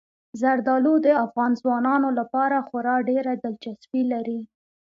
زردالو د افغان ځوانانو لپاره خورا ډېره دلچسپي لري.